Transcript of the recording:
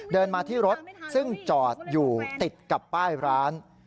เดินมาที่รถซึ่งจอดอยู่ติดกับป้ายร้าน